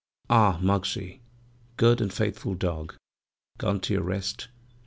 Ah, Muggsie, good and faithful dog, Gone to your rest!